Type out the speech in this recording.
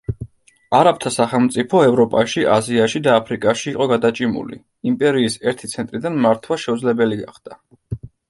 არაბთა სახელმწიფო ევროპაში, აზიაში და აფრიკაში იყო გადაჭიმული, იმპერიის ერთი ცენტრიდან მართვა შეუძლებელი გახდა.